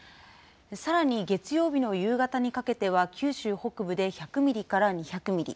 さらに、月曜日の夕方にかけては九州北部で１００ミリから２００ミリ。